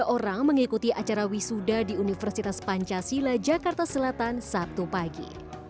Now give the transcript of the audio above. seribu lima ratus tujuh puluh tiga orang mengikuti acara wisuda di universitas pancasila jakarta selatan sabtu pagi